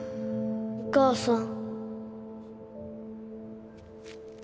お母さん？